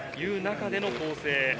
その中での構成。